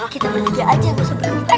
kita bertiga aja gak usah berani